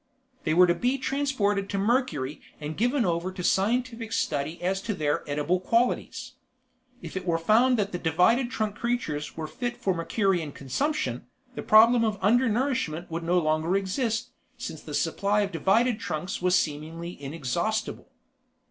They were to be transported to Mercury and given over to scientific study as to their edible qualities. If it were found that the divided trunk creatures were fit for Mercurian consumption, the problem of undernourishment would no longer exist since the supply of divided trunks was seemingly inexhaustible.